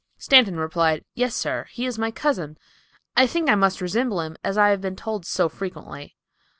Stanton replied, "Yes, sir; he is my cousin. I think I must resemble him, as I have been told so frequently."